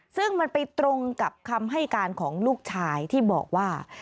ซึ่งมันไปตรงกับคำให้การของลูกชายที่บอกว่า